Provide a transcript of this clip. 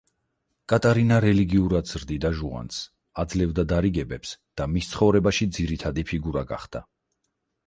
კატარინა რელიგიურად ზრდიდა ჟუანს, აძლევდა დარიგებებს და მის ცხოვრებაში ძირითადი ფიგურა გახდა.